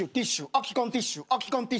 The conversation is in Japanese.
空き缶ティッシュ。